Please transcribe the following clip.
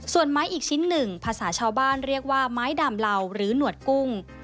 ส่วนไม้อีกชิ้นหนึ่งภาษาชาวบ้านเรียกว่าไม้ดำเหล่าหรือหนวดกุ้ง